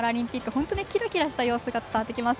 本当キラキラした様子が伝わります。